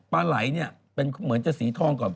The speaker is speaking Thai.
ปลาไหลเนี่ยเหมือนจะสีทองกับ